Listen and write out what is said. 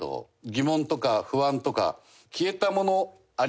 疑問とか不安とか消えたものありますか？